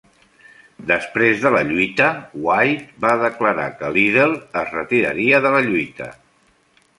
Després de la lluita, White va declarar que Liddell es retiraria de la lluita.